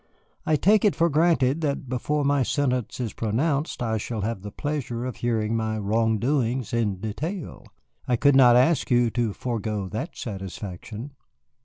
I take it for granted that, before my sentence is pronounced, I shall have the pleasure of hearing my wrong doings in detail. I could not ask you to forego that satisfaction."